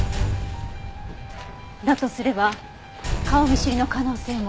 だとすれば顔見知りの可能性も。